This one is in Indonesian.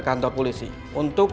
karena itu kita tahu